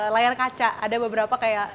layar kaca ada beberapa kayak